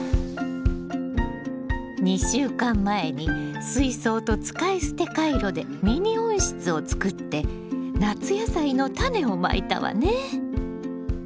２週間前に水槽と使い捨てカイロでミニ温室を作って夏野菜のタネをまいたわね。